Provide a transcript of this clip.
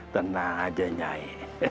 tenang aja nyai